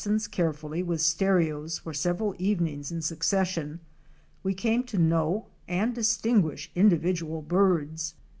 Watching the Hoatzins carefully with stereos for several evenings in succession we came to know and distinguish individual birds.